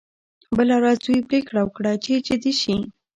بله ورځ دوی پریکړه وکړه چې جدي شي